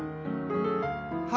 は